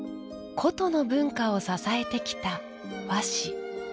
古都の文化を支えてきた和紙。